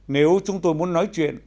nếu chúng tôi muốn nói chuyện